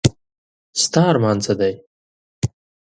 ستا ارمان څه دی ؟